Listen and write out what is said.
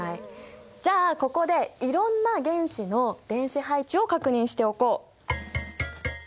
じゃあここでいろんな原子の電子配置を確認しておこう。